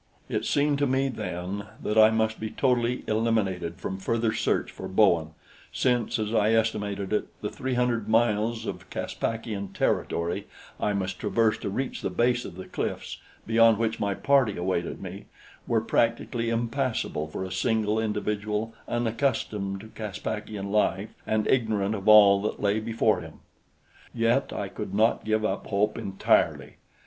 It seemed to me then that I must be totally eliminated from further search for Bowen, since, as I estimated it, the three hundred miles of Caspakian territory I must traverse to reach the base of the cliffs beyond which my party awaited me were practically impassable for a single individual unaccustomed to Caspakian life and ignorant of all that lay before him. Yet I could not give up hope entirely.